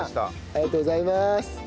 ありがとうございます。